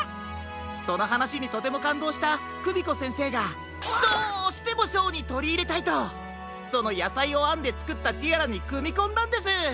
そのはなしにとてもかんどうしたクミコせんせいがどうしてもショーにとりいれたいとそのやさいをあんでつくったティアラにくみこんだんです。